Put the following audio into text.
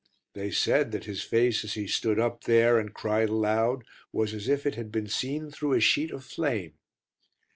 They said that his face as he stood up there and cried aloud was as if it had been seen through a sheet of flame.